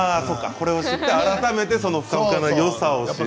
これを知って改めてそのふかふかのよさを知る。